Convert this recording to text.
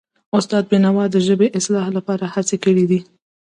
استاد بینوا د ژبني اصلاح لپاره هڅې کړی دي.